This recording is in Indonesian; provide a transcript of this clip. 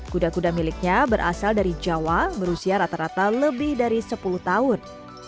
kuda kuda miliknya berasal dari jawa berusia rata rata lebih dari sepuluh tahun